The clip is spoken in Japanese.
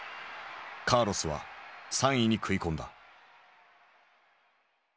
カーロスは３位に食い込んだ。